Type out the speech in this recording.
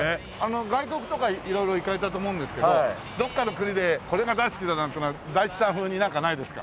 外国とか色々行かれたと思うんですけどどっかの国でこれが大好きだなんてのは大地さん風になんかないですか？